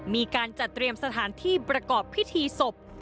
มีการจัดเตรียมสถานที่ประกอบพิธีศพ